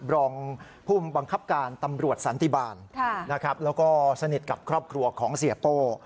รองผู้บังคับการตำรวจสันติบาลนะครับแล้วก็สนิทกับครอบครัวของเสียโป้